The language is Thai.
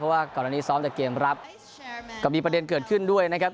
ว่าก่อนอันนี้ซ้อมจากเกมรับก็มีประเด็นเกิดขึ้นด้วยนะครับ